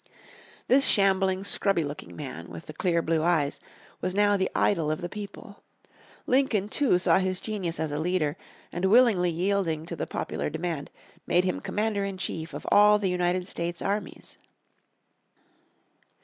This shambling, scrubby looking man, with the clear blue eyes, was now the idol of the people. Lincoln too saw his genius as a leader, and willingly yielding to the popular demand made him commander in chief of all the United States armies.